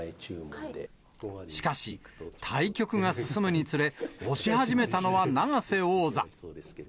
しかし対局が進むにつれ、押し始めたのは永瀬王座。